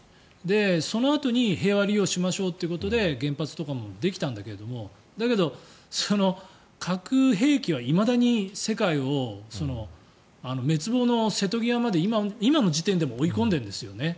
そのあとに平和利用しましょうということで原発とかもできたんだけどだけど、核兵器はいまだに世界を滅亡の瀬戸際まで今の時点でも追い込んでるんですよね。